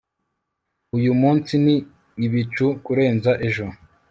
uyu munsi ni ibicu kurenza ejo